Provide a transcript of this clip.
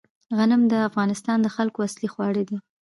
غنم د افغانستان د خلکو اصلي خواړه دي